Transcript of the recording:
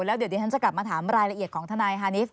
แล้วเดี๋ยวดิฉันจะกลับมาถามรายละเอียดของทนายฮานิส